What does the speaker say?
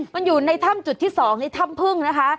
มันอยู่ในถ้ำจุดที่๒ในถ้ำพึ่งนะคะ